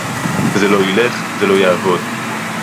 זה לא ילך, זה לא יעבוד